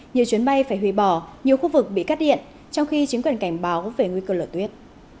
nhiều chuyến bay phải hủy bỏ nhiều khu vực bị cắt điện trong khi chính quyền cảnh báo về nguy cơ lửa tuyết